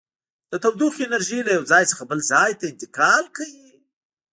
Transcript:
د تودوخې انرژي له یو ځای څخه بل ځای ته انتقال کوي.